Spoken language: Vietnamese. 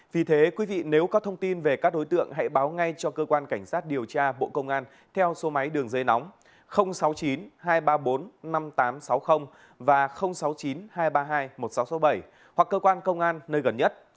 vì thế quý vị nếu có thông tin về các đối tượng hãy báo ngay cho cơ quan cảnh sát điều tra bộ công an theo số máy đường dây nóng sáu mươi chín hai trăm ba mươi bốn năm nghìn tám trăm sáu mươi và sáu mươi chín hai trăm ba mươi hai một nghìn sáu trăm sáu mươi bảy hoặc cơ quan công an nơi gần nhất